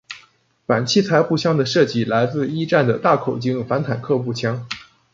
反器材步枪的设计来自一战的大口径反坦克步枪。